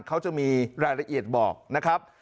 เขาจะมีรายละเอียดบอกนะครับ